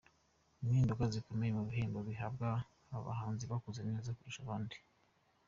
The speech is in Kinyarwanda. Impinduka zikomeye mubihembo bihabwa amahanzi bakoze neza kurusha abandi